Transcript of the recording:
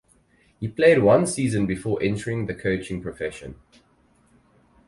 He played one season before entering the coaching profession.